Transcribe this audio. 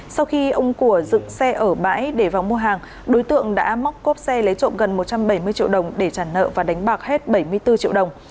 sau khi ông của dựng xe ở bãi để vào mua hàng đối tượng đã móc cốp xe lấy trộm gần một trăm bảy mươi triệu đồng để trả nợ và đánh bạc hết bảy mươi bốn triệu đồng